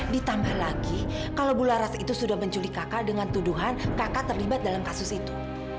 ditambah lagi kalau bu laras itu sudah menculik kakak dengan tuduhan kakak terlibat dalam kasus itu